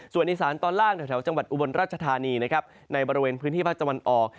ส่วนอิสานตอนล่างแถวจังหวัดอุบรรชธานีในบริเวณพื้นที่ภาคจังหวันออก